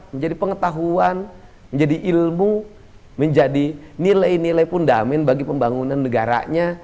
menjadi pengetahuan menjadi ilmu menjadi nilai nilai fundament bagi pembangunan negaranya